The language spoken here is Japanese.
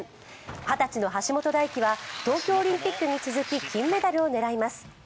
二十歳の橋本大輝は東京オリンピックに続き金メダルを狙います。